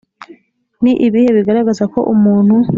ni ibihe bigaragaza ko umuntu